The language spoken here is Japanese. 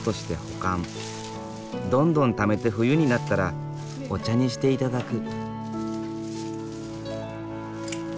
どんどんためて冬になったらお茶にして頂く。